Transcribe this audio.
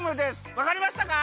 わかりましたか？